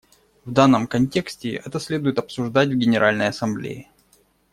В данном контексте это следует обсуждать в Генеральной Ассамблее.